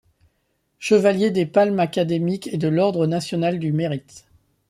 Chevalier des Palmes Académiques et de l'ordre national du Mérite.